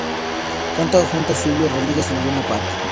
Canta junto a Silvio Rodríguez en el Luna Park.